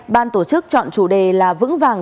ban tổ chức chọn chủ đề là vững vàng